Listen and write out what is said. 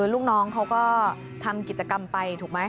ลูกน้องเขาก็ทำกิจกรรมไป